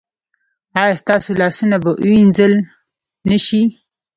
ایا ستاسو لاسونه به وینځل نه شي؟